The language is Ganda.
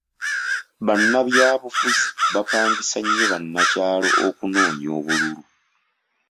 Bannabyabufuzi bapangisa nnyo bannakyalo okunoonya obululu.